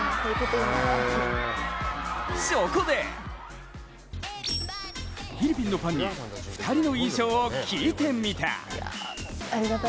そこでフィリピンのファンに２人の印象を聞いてみた。